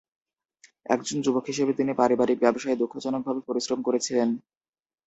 একজন যুবক হিসেবে তিনি পারিবারিক ব্যবসায় দুঃখজনকভাবে পরিশ্রম করেছিলেন।